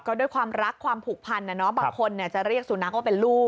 ก็ด้วยความรักความผูกพันบางคนจะเรียกสุนัขว่าเป็นลูก